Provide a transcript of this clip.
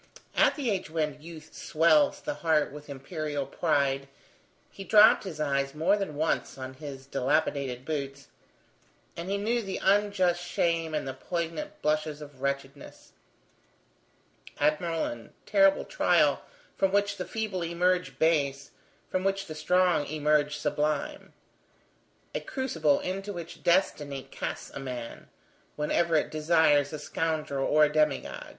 At the age when youth swells the heart with imperial pride, he dropped his eyes more than once on his dilapidated boots, and he knew the unjust shame and the poignant blushes of wretchedness. Admirable and terrible trial from which the feeble emerge base, from which the strong emerge sublime. A crucible into which destiny casts a man, whenever it desires a scoundrel or a demi god.